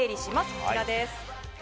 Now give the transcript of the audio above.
こちらです。